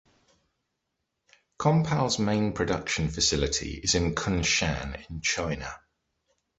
Compal's main production facility is in Kunshan, China.